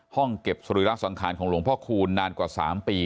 ห้องเก็บสรีระสังขารของหลวงพ่อคูณนานกว่า๓ปี